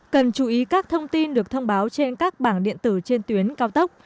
cần chú ý các thông tin được thông báo trên các bảng điện tử trên tuyến cao tốc